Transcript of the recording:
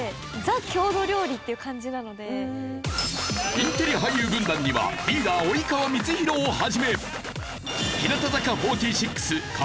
インテリ俳優軍団にはリーダー及川光博を始め。